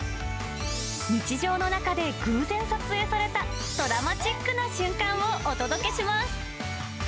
日常の中で偶然撮影されたドラマチックな瞬間をお届けします。